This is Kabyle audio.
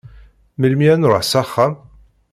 Melmi ad nruḥ s axxam?